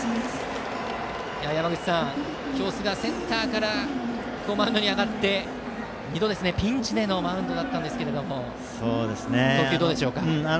山口さん、今日、寿賀はセンターからマウンドに上がって２度、ピンチでのマウンドだったんですが投球はどうでしょうか。